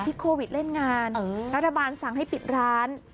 โควิดเล่นงานรัฐบาลสั่งให้ปิดร้าน